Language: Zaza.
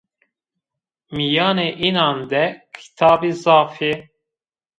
Mîyanê înan de kitabî zaf ê